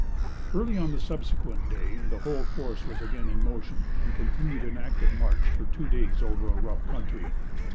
Early on the subsequent day the whole force was again in motion, and continued an active march for two days over a rough country.